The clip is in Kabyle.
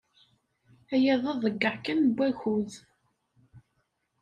Aya d aḍeyyeɛ kan n wakud.